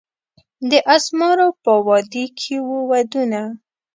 د اسمارو په وادي کښي وو ودونه